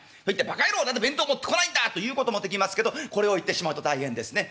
バカ野郎何で弁当持ってこないんだと言うこともできますけどこれを言ってしまうと大変ですね。